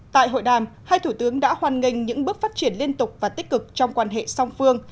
tại hội đàm hai thủ tướng đã hoan nghênh những bước phát triển liên tục và tích cực trong quan hệ song phương